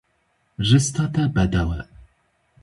Rista te bedew e.